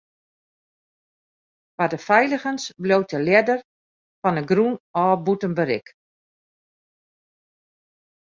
Foar de feiligens bliuwt de ljedder fan 'e grûn ôf bûten berik.